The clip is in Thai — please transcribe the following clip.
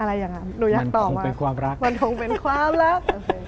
อะไรอย่างนั้นหนูอยากตอบมามันคงเป็นความรัก